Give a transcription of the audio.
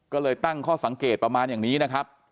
ก็เลยตั้งข้อสังเกตประมาณอย่างนี้นะครับ